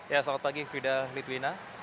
ya selamat pagi frida litwina